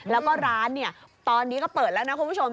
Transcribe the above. แล้วก็ร้านเนี่ยตอนนี้ก็เปิดแล้วนะคุณผู้ชม